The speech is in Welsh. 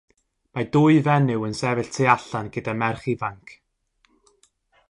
Mae dwy fenyw yn sefyll y tu allan gyda merch ifanc..